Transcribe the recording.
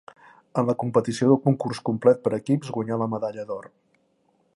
En la competició del concurs complet per equips guanyà la medalla d'or.